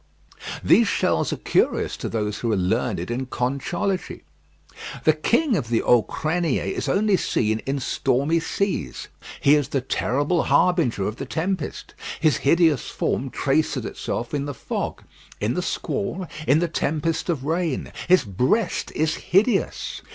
These shells are curious to those who are learned in conchology. The King of the Auxcriniers is only seen in stormy seas. He is the terrible harbinger of the tempest. His hideous form traces itself in the fog, in the squall, in the tempest of rain. His breast is hideous.